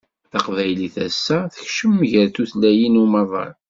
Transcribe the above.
Taqbaylit ass-a tekcem gar tutlayin n umaḍal